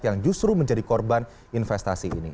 yang justru menjadi korban investasi ini